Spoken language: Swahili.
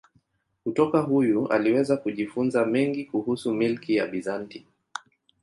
Kutoka huyu aliweza kujifunza mengi kuhusu milki ya Bizanti.